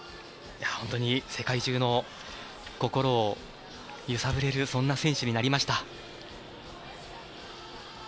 本当に、世界中の心を揺さぶれるそんな選手になりました。